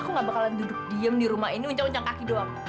aku nggak bakalan duduk diem di rumah ini unca unca kaki doang